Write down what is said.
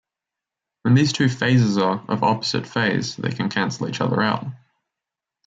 When these two phasors are of opposite phase they can cancel each other out.